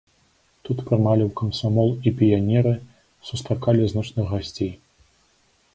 Тут прымалі ў камсамол і піянеры, сустракалі значных гасцей.